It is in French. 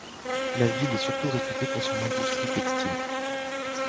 La ville est surtout réputée pour son industrie textile.